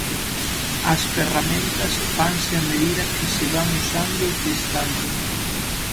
As ferramentas fanse a medida que se van usando e testando.